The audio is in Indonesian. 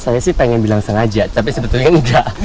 saya sih pengen bilang sengaja tapi sebetulnya enggak